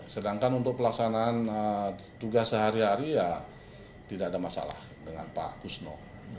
sedangkan untuk pelaksanaan tugas sehari hari ya tidak ada masalah dengan pak kusno